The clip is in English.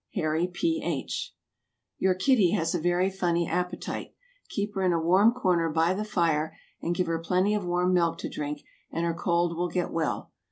HARRY P. H. Your kitty has a very funny appetite. Keep her in a warm corner by the fire, and give her plenty of warm milk to drink, and her cold will get well.